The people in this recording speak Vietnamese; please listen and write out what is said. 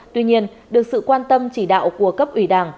tuy nhiên được sự quan tâm chỉ đạo của cấp ủy đảng